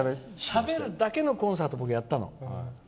しゃべるだけのコンサートを僕やったの。